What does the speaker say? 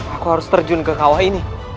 aku harus terjun ke kawah ini